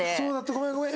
ごめんごめん！